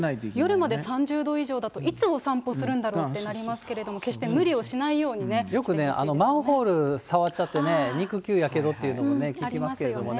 夜まで３０度以上だと、いつお散歩するんだろうってなりますけれども、決して無理をしなよくね、マンホール触っちゃってね、肉球やけどっていうのも聞きますけれどもね。